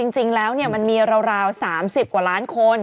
จริงแล้วมันมีราว๓๐กว่าล้านคน